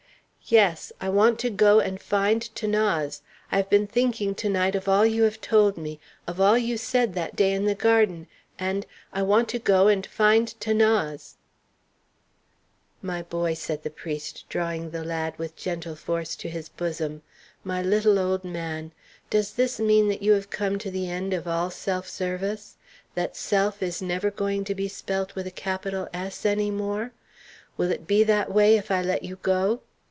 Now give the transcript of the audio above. "Yes, I want to go and find 'Thanase. I have been thinking to night of all you have told me of all you said that day in the garden, and I want to go and find 'Thanase." "My boy," said the priest, drawing the lad with gentle force to his bosom, "my little old man, does this mean that you have come to the end of all self service? that self is never going to be spelt with a capital S any more? Will it be that way if I let you go?"